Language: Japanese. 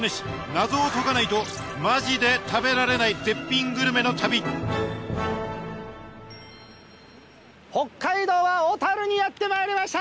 謎を解かないとマジで食べられない絶品グルメの旅北海道は小樽にやってまいりました！